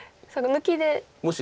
抜きで。